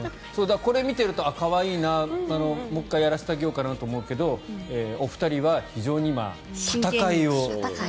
これを見ていると可愛いなもう一回やらせてあげようかなと思うけどお二人は非常に、戦いを。